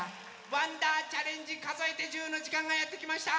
「わんだーチャレンジかぞえて１０」のじかんがやってきました！